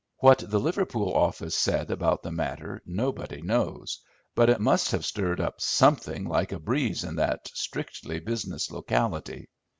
What the Liverpool office said about the matter nobody knows, but it must have stirred up something like a breeze in that strictly business locality.